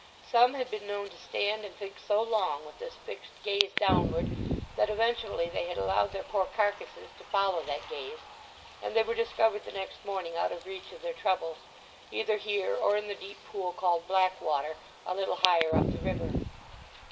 Some had been known to stand and think so long with this fixed gaze downward that eventually they had allowed their poor carcases to follow that gaze; and they were discovered the next morning out of reach of their troubles, either here or in the deep pool called Blackwater, a little higher up the river.